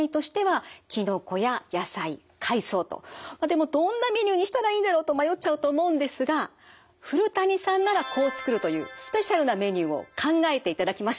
でもどんなメニューにしたらいいんだろうと迷っちゃうと思うんですが古谷さんならこう作るというスペシャルなメニューを考えていただきました。